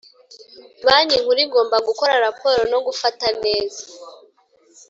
Banki Nkuru igomba gukora raporo no gufata neza